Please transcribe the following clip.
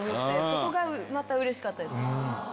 そこがまたうれしかったです。